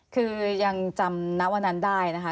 คือยังจำณวันนั้นได้นะคะ